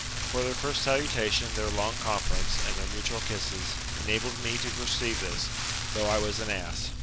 For their first salutation, their long conference, and their mutual kisses, enabled me to perceive this, though I was an ass.